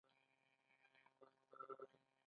تفریح د انسان د ژوند برخه ده.